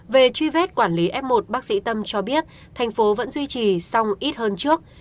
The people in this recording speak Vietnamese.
về truy vết quản lý f một bác sĩ tâm cho biết thành phố vẫn duy trì xong ít hơn trước